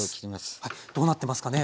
はいどうなってますかねお豆腐。